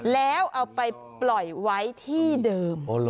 แล้วเอาไปปล่อยไว้ที่เดิม